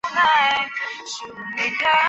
山东半岛属暖温带湿润季风气候。